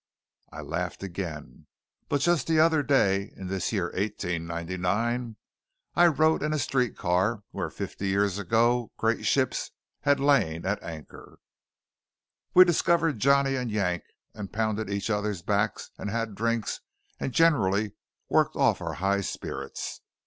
I laughed again; but just the other day, in this year 1899, I rode in a street car where fifty years ago great ships had lain at anchor. We discovered Johnny and Yank, and pounded each other's backs, and had drinks, and generally worked off our high spirits.